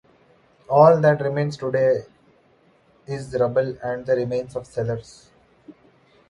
All that remains today is rubble and the remains of cellars.